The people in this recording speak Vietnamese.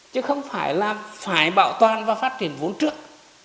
chứ không phải là phải bảo toàn và phát triển vốn trước